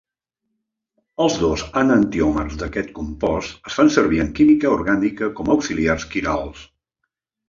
Els dos enantiòmers d'aquest compost es fan servir en química orgànica com a auxiliars quirals.